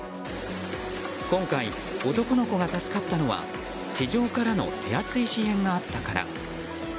今回、男の子が助かったのは地上からの手厚い支援があったから。